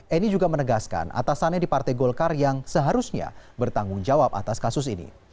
eni juga menegaskan atasannya di partai golkar yang seharusnya bertanggung jawab atas kasus ini